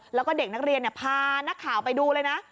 แล้วก็เด็กนักเรียนพานักข่าวไปดูเลยนะ